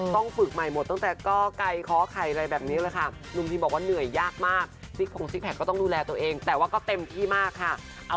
ต้องฝึกใหม่หมดตั้งแต่